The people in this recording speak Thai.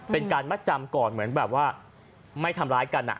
เป็นการมัดจำก่อนเหมือนแบบว่าไม่ทำร้ายกัน